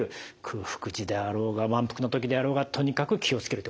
空腹時であろうが満腹の時であろうがとにかく気を付けるということですね。